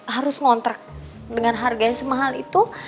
harus ngontrak dengan harganya semahal itu